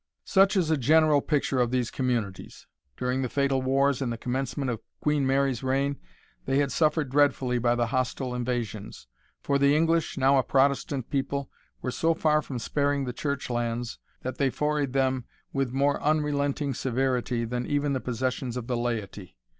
Such is a general picture of these communities. During the fatal wars in the commencement of Queen Mary's reign, they had suffered dreadfully by the hostile invasions. For the English, now a Protestant people, were so far from sparing the church lands, that they forayed them with more unrelenting severity than even the possessions of the laity.